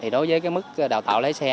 đối với mức đào tạo lái xe